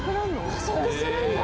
加速するんだ！？